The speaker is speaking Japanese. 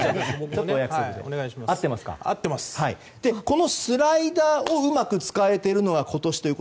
このスライダーを使えているのが今年。